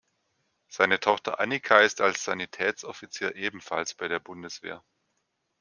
Seine Tochter Annika ist als Sanitätsoffizier ebenfalls bei der Bundeswehr.